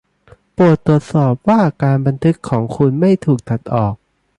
โปรดตรวจสอบว่าการบันทึกของคุณไม่ถูกตัดออก